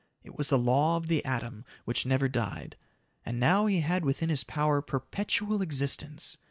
It was the law of the atom which never died. And now he had within his power perpetual existence.